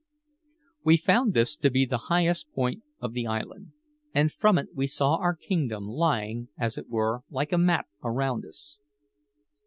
We found this to be the highest point of the island, and from it we saw our kingdom lying, as it were, like a map around us.